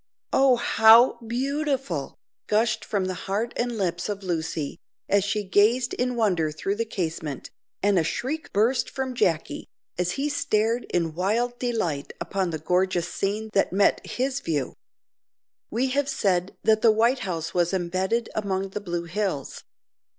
"Oh! how beautiful!" gushed from the heart and lips of Lucy, as she gazed in wonder through the casement, and a shriek burst from Jacky, as he stared in wild delight upon the gorgeous scene that met his view. We have said that the White House was embedded among the blue hills.